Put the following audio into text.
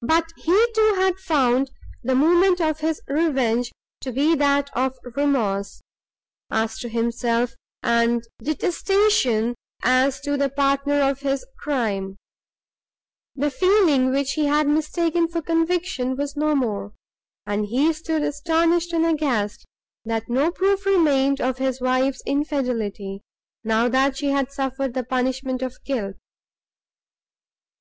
But he, too, had found the moment of his revenge to be that of remorse, as to himself, and detestation, as to the partner of his crime; the feeling, which he had mistaken for conviction, was no more; and he stood astonished, and aghast, that no proof remained of his wife's infidelity, now that she had suffered the punishment of guilt.